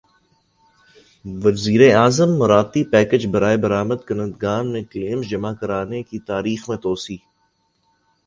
وزیر اعظم مراعاتی پیکج برائے برامد کنندگان میں کلیمز جمع کرانے کی تاریخ میں توسیع